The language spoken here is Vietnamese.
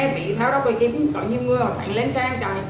bị tháo đó quay kiếm có nhiều người họ thầy lên xe ăn chạy